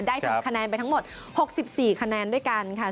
คะแนนไปทั้งหมด๖๔คะแนนด้วยกันค่ะ